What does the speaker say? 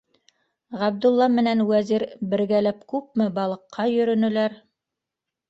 Ғабдулла менән Вәзир бергәләп күпме балыҡҡа йөрөнөләр.